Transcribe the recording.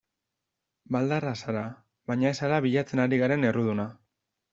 Baldarra zara baina ez zara bilatzen ari garen erruduna.